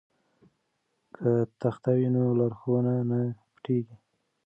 که تخته وي نو لارښوونه نه پټیږي.